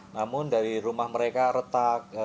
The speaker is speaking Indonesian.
namun dari rumah mereka retak